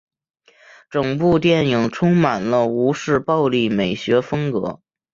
整部电影充满了吴氏暴力美学风格。